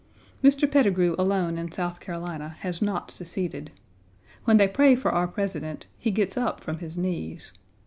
Mr. Petigru alone in South Carolina has not seceded. When they pray for our President, he gets up from his knees.